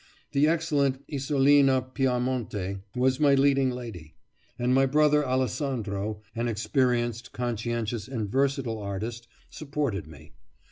The excellent Isolina Piamonti was my leading lady; and my brother Alessandro, an experienced, conscientious, and versatile artist, supported me.